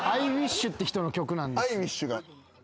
ＩＷｉＳＨが。